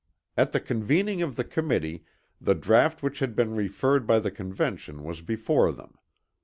At the convening of the Committee the draught which had been referred by the Convention was before them.